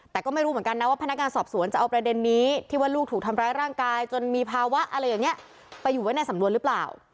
แต่ก็ไม่รู้เหมือนกันนะว่าพนักงานสอบสวนจะเอาประเด็นนี้ที่ว่าลูกถูกทำร้ายร่างกายจนมีภาวะอะไรอย่างนี้ไปอยู่ไว้ในสำนวนหรือเปล่า